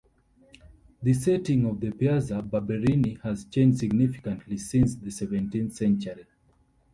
The setting of the Piazza Barberini has changed significantly since the seventeenth century.